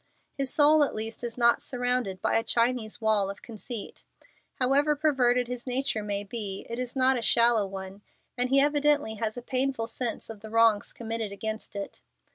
His soul at least is not surrounded by a Chinese wall of conceit. However perverted his nature may be, it is not a shallow one, and he evidently has a painful sense of the wrongs committed against it.